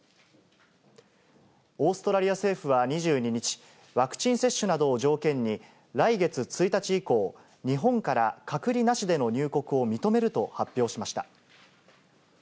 オーストラリア政府は２２日、ワクチン接種などを条件に、来月１日以降、日本から隔離なしでの入国を認めると発表しました。